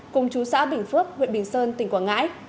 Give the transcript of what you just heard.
cùng chú xã bình phước huyện bình sơn tỉnh quảng ngãi